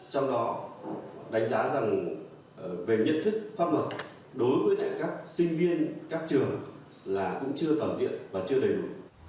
trong đó đánh giá rằng về nhận thức pháp luật đối với các sinh viên các trường là cũng chưa toàn diện và chưa đầy đủ